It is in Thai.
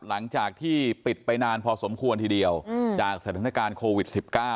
หลังจากที่ปิดไปนานพอสมควรทีเดียวจากสถานการณ์โควิด๑๙